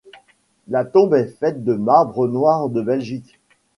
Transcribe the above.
La tombe est faite de marbre noir de Belgique.